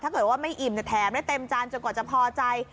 ถ้าเกิดว่าไม่อิ่มแถมได้เต็มจานจนกว่าจะพอใจ